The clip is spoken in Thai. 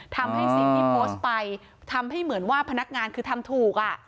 ทำให้สิ่งที่โพสต์ไปทำให้เหมือนว่าพนักงานคือทำถูก